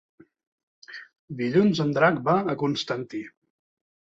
Dilluns en Drac va a Constantí.